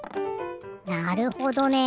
なるほどね。